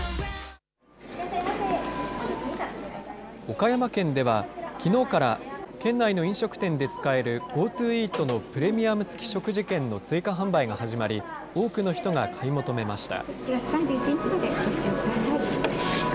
岡山県では、きのうから県内の飲食店で使えるＧｏＴｏイートのプレミアム付き食事券の追加販売が始まり、多くの人が買い求めました。